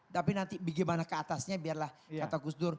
tapi nanti bagaimana keatasnya biarlah kata gus dur